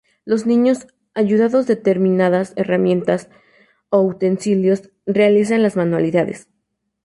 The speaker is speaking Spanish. Los niños, ayudados de determinadas herramientas o utensilios, realizan las manualidades.